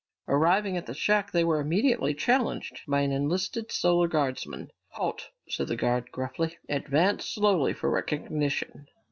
Arriving at the shack, they were immediately challenged by an enlisted Solar Guardsman. "Halt!" said the guard gruffly. "Advance slowly for recognition!"